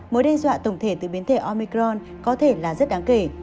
mối đe dọa tổng thể từ biến thể omicron có thể là rất đáng kể